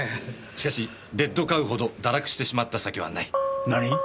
「しかし『レッドカウ』ほど堕落してしまった酒はない」何！？